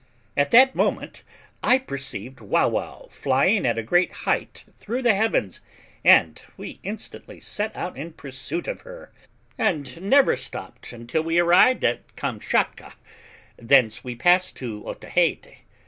At that moment I perceived Wauwau flying at a great height through the heavens, and we instantly set out in pursuit of her, and never stopped until we arrived at Kamschatka; thence we passed to Otaheite.